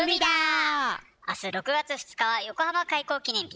あす、６月２日は横浜開港記念日。